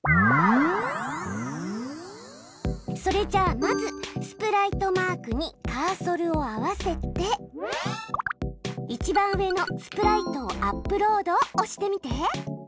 それじゃまずスプライトマークにカーソルを合わせて一番上の「スプライトをアップロード」を押してみて！